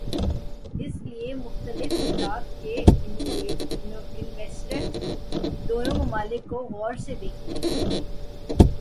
اس لیے مختلف اطراف کے انویسٹر دونوں ممالک کو غور سے دیکھتے ہیں۔